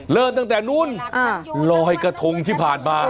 เริ่มตั้งแต่นู้นลอยกระทงที่ผ่านมา